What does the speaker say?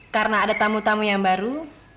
karena ada tamu tamu yang baru